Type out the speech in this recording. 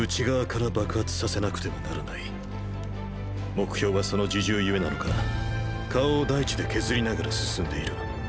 目標はその自重ゆえなのか顔を大地で削りながら進んでいる。